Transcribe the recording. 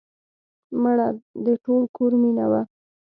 مړه د ټول کور مینه وه